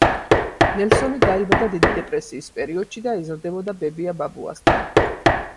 ნელსონი დაიბადა დიდი დეპრესიის პერიოდში და იზრდებოდა ბებია-ბაბუასთან.